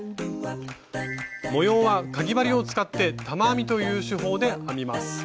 模様はかぎ針を使って玉編みという手法で編みます。